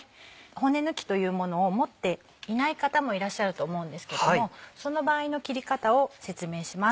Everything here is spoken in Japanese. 骨抜きというものを持っていない方もいらっしゃると思うんですけどもその場合の切り方を説明をします。